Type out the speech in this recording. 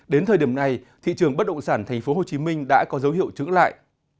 đến thời điểm này thị trường bất động sản tp hcm đã có dấu hiệu trứng lại